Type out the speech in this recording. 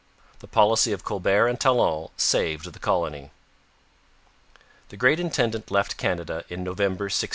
The policy of Colbert and Talon saved the colony. The great intendant left Canada in November 1672.